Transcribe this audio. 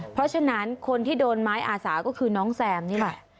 เพราะฉะนั้นคนที่โดนไม้อาสาก็คือน้องแซมนี่แหละ